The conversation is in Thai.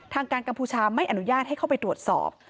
ทางการกัมพูชาไม่อนุญาตให้เข้าไปตรวจสอบ